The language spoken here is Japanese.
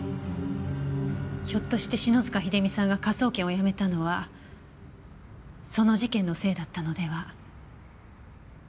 ひょっとして篠塚秀実さんが科捜研を辞めたのはその事件のせいだったのでは。